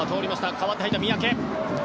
代わって入った三宅。